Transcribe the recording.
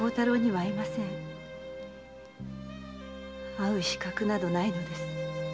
〔会う資格などないのです〕